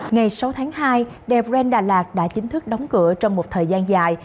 ngày sáu tháng hai đèo brand đà lạt đã chính thức đóng cửa trong một thời gian dài